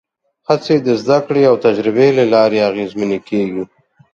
هڅې د زدهکړې او تجربې له لارې اغېزمنې کېږي.